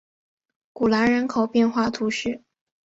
古兰人口变化图示